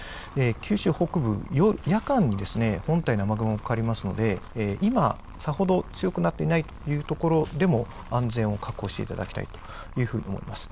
九州北部、夜間、本体の雨雲がかかりますので、今、さほど強くなっていないという所でも、安全を確保していただきたいというふうに思います。